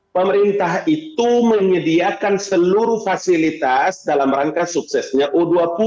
pemerintah itu menyediakan seluruh fasilitas dalam rangka suksesnya u dua puluh